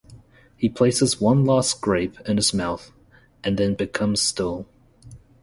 He places one last grape in his mouth, and then becomes still.